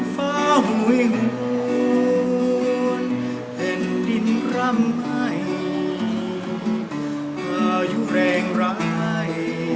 ฟ้าห่วยหวนเห็นดินร่ำไหม่อายุแรงร้าย